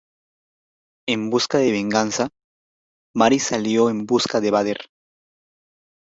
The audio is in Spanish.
En busca de venganza, Maris salió en busca de Vader.